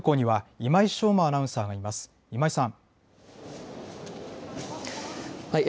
今井さん。